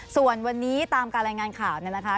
ส่วนวันนี้ตามการรายงานข่าวเนี่ยนะคะ